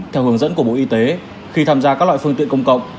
theo hướng dẫn của bộ y tế khi tham gia các loại phương tiện công cộng